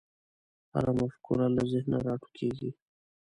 هره مفکوره له ذهنه راټوکېږي.